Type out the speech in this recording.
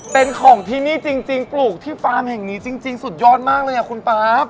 เป็นของที่นี่จริงปลูกที่ฟาร์มแห่งนี้จริงสุดยอดมากเลยอ่ะคุณป๊าบ